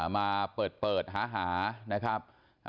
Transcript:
มาเปิดหานะครับ